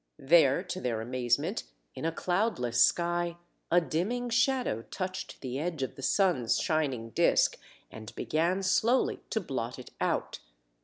There to their amazement, in a cloudless sky, a dimming shadow touched the edge of the sun's shining disk and began slowly to blot it out.